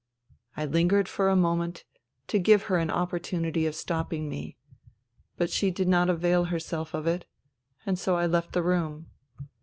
I lingered for a moment, to give her an opportunity of stopping me. But she did not avail herself of it ; and so I left the room.